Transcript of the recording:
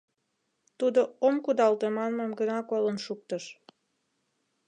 Тудо «ом кудалте» манмым гына колын шуктыш.